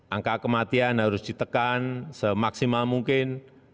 angka kematian harus ditekan semaksimal mungkin